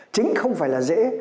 chính không phải là dễ